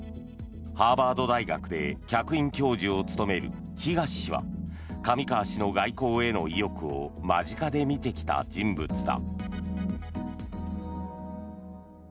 ハーバード大学で客員教授を務める東氏は上川氏の外交への意欲を間近で見てきた人物だ。